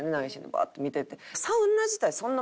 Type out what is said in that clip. バーッと見てて。